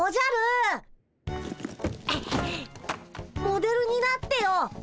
モデルになってよ。